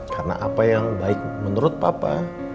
karena apa yang baik menurut papa